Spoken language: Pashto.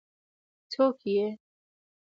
ـ څوک یې؟